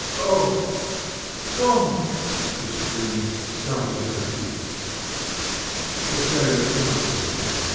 Go, go!" she screamed, starting to her feet. The jailer came up to them.